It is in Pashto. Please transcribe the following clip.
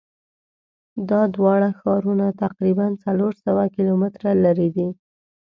دا دواړه ښارونه تقریبآ څلور سوه کیلومتره لری دي.